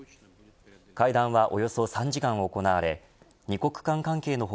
会談は、およそ３時間行われ２国間関係の他